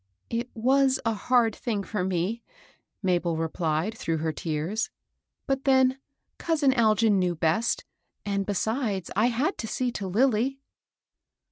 "It was a hard thing for me," Mabel replied, 14 MABEL BOSS. through her tears ;" but then, cousin Algin knew best ; and besides, I had to see to Lilly."